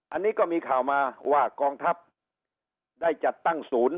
อันนี้ก็มีข่าวมาว่ากองทัพได้จัดตั้งศูนย์